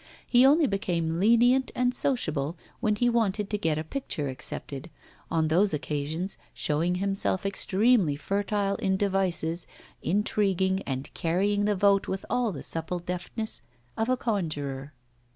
He only became lenient and sociable when he wanted to get a picture accepted, on those occasions showing himself extremely fertile in devices, intriguing and carrying the vote with all the supple deftness of a conjurer.